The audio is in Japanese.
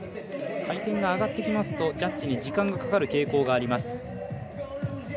回転が上がってきますとジャッジに時間がかかる傾向があります。